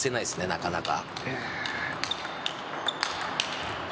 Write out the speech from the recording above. なかなか。